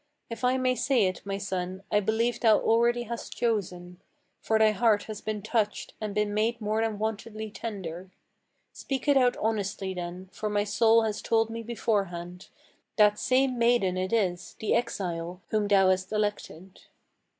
If I may say it, my son, I believe thou already hast chosen; For thy heart has been touched, and been made more than wontedly tender. Speak it out honestly, then; for my soul has told me beforehand: That same maiden it is, the exile, whom thou hast elected."